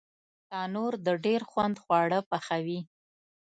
تنور د ډېر خوند خواړه پخوي